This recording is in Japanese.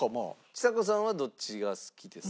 ちさ子さんはどっちが好きですか？